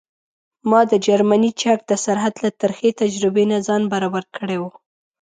ما د جرمني چک د سرحد له ترخې تجربې نه ځان برابر کړی و.